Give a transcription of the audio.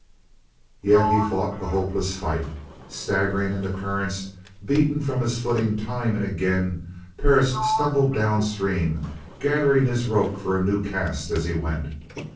Yet he fought the hopeless fight. Staggering in the currents, beaten from his footing time and again, Perris stumbled down stream gathering his rope for a new cast as he went.